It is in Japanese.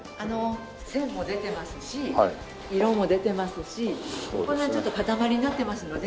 線も出てますし色も出てますしこの辺ちょっと固まりになってますので。